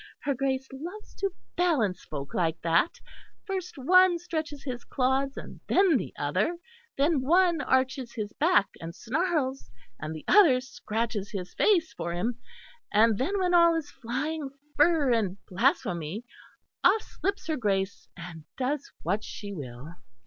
Her Grace loves to balance folk like that; first one stretches his claws, and then the other; then one arches his back and snarls, and the other scratches his face for him; and then when all is flying fur and blasphemy, off slips her Grace and does what she will."